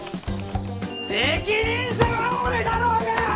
責任者は俺だろうが！！